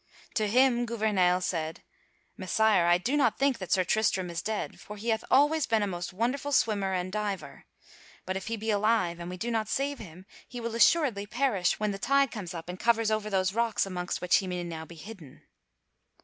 To him Gouvernail said: "Messire, I do not think that Sir Tristram is dead, for he hath always been a most wonderful swimmer and diver. But if he be alive, and we do not save him, he will assuredly perish when the tide comes up and covers over those rocks amongst which he may now be hidden."